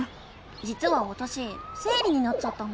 じつはわたし生理になっちゃったの。